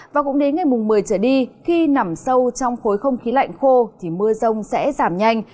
và cũng đến ngày một mươi trở đi khi nằm sâu trong khối không khí lạnh khô thì mưa rông sẽ giảm nhanh